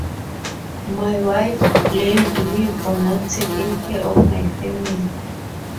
My wife blamed me for not taking care of my family.